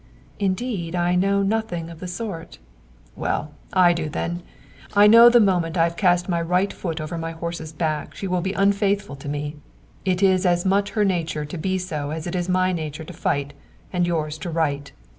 "Indeed, I know nothing of the sort." "Well, I do then. I know that the moment I've cast my right foot over my horse's back she will be unfaithful to me. It is as much her nature to be so as it is my nature to fight and yours to write.